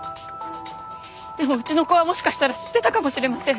でもうちの子はもしかしたら知ってたかもしれません。